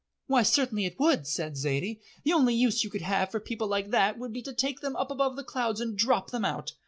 "Why, certainly it would," said Zaidie; "the only use you could have for people like that would be to take them up above the clouds and drop them out.